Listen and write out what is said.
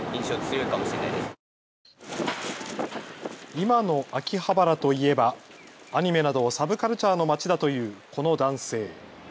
今の秋葉原といえばアニメなどサブカルチャーの街だというこの男性。